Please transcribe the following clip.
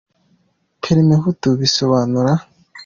Parimehutu bisobanura .